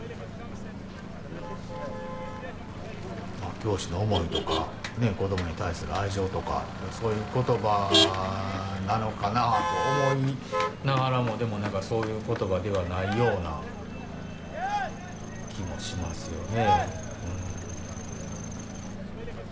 教師の思いとか子どもに対する愛情とかそういう言葉なのかなと思いながらもでも何かそういう言葉ではないような気もしますよね。